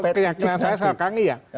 kalau kenyataan saya salah iya